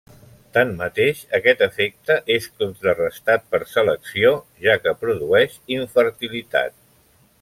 Tanmateix, aquest efecte és contrarestat per selecció, ja que produeix infertilitat.